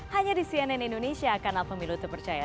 hanya di cnn indonesia kanal pemilu terpercaya